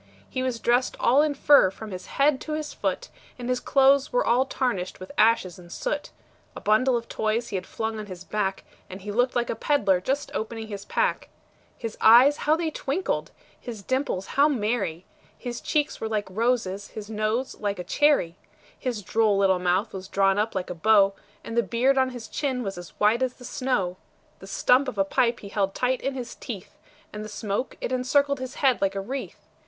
He was dressed all in fur from his head to his foot, And his clothes were all tarnished with ashes and soot; A bundle of toys he had flung on his back, And he looked like a peddler just opening his pack; His eyes how they twinkled! his dimples how merry! His cheeks were like roses, his nose like a cherry; His droll little mouth was drawn up like a bow, And the beard on his chin was as white as the snow; The stump of a pipe he held tight in his teeth, And the smoke, it encircled his head like a wreath.